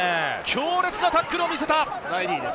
強烈なタックルを見せた！